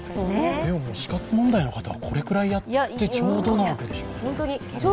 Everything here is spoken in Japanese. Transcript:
死活問題の方は、これくらいやってちょうどなわけでしょう？